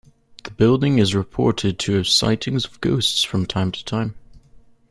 The building is reported to have sightings of ghosts from time to time.